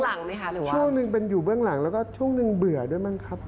ช่วงหนึ่งเป็นอยู่เบื้องหลังแล้วก็ช่วงหนึ่งเบื่อด้วยมั้งครับ